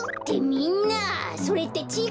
みんなそれってちぃ